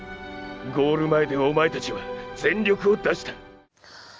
ゴール前でお前たちは全力を出した。